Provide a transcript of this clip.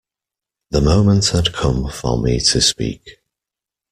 The moment had come for me to speak.